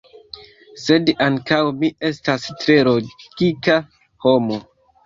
sed ankaŭ mi estas tre logika homo